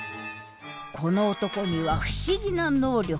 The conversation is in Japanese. この男には不思議な「能力」が。